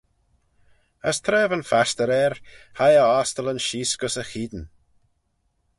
As tra va'n fastyr er, hie e ostyllyn sheese gys y cheayn.